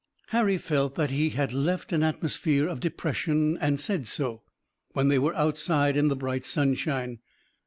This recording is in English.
Harry felt that he had left an atmosphere of depression and said so, when they were outside in the bright sunshine.